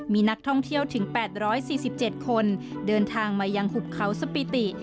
มีนักท่องเที่ยวถึง๘๔๗คนเดินทางมายังหุบเขาสปีติ